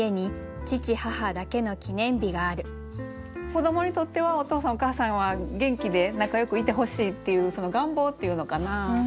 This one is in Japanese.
子どもにとってはお父さんお母さんは元気で仲よくいてほしいっていうその願望っていうのかな。